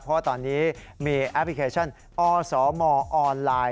เพราะว่าตอนนี้มีแอปพลิเคชันอสมออนไลน์